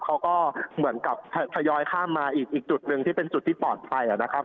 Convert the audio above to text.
เขาก็เหมือนกับทยอยข้ามมาอีกจุดหนึ่งที่เป็นจุดที่ปลอดภัยนะครับ